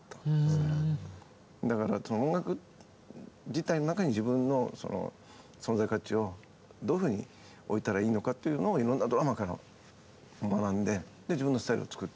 だから音楽自体の中に自分の存在価値をどういうふうに置いたらいいのかっていうのをいろんなドラマーから学んで自分のスタイルを作る。